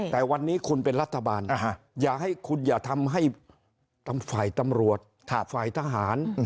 แต่วันนี้คุณเป็นรัฐบาลอย่าให้คุณอย่าทำให้ฝ่ายตำรวจฝ่ายทหาร